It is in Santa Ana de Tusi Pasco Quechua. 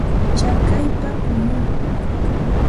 Chakayćhaw punuu.